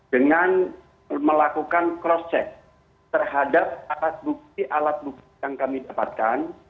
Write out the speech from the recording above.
dengan melakukan cross check terhadap alat bukti alat bukti yang kami dapatkan